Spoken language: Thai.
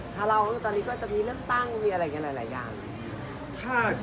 ถ้าเรารู้ตอนนี้ก็จะมีเรื่องตั้งมีอะไรกันหลายอย่าง